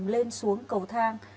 lên xuống cầu thang